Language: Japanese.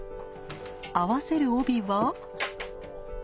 合わせる帯は？